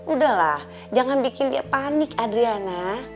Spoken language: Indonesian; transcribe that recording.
udah lah jangan bikin dia panik adriana